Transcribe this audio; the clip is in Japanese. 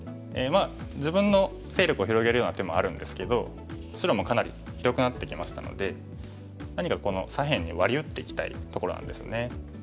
自分の勢力を広げるような手もあるんですけど白もかなり広くなってきましたので何か左辺にワリ打っていきたいところなんですね。